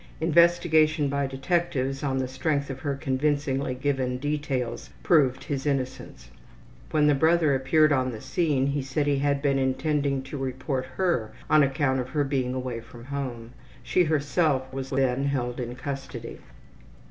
Investigation by detectives on the strength of her convincingly given details proved his innocence. When the brother appeared on the scene he said he had been intending to report her on account of her being away from home. She herself was then held in custody.